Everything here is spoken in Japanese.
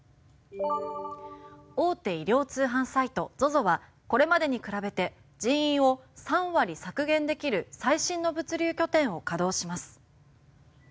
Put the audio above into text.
大手衣料通販サイトＺＯＺＯはこれまでに比べて人員を３割削減できる最新の物流拠点を稼働します。